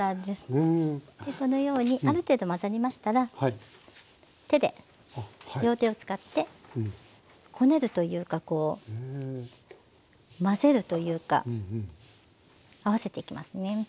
このようにある程度混ざりましたら手で両手を使ってこねるというかこう混ぜるというか合わせていきますね。